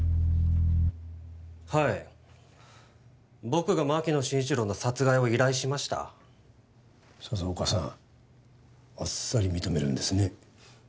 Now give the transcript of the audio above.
はい僕が牧野真一郎の殺害を依頼しました佐々岡さんあっさり認めるんですね